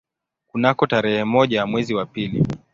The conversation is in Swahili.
Kunako tarehe moja mwezi wa pili